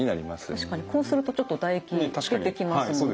確かにこうするとちょっと唾液出てきますもんね。